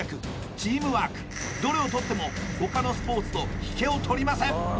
チームワークどれをとっても他のスポーツと引けをとりません